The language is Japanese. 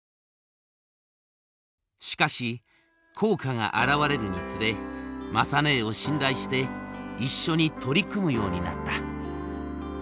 しかし効果が現れるにつれ雅ねえを信頼して一緒に取り組むようになった。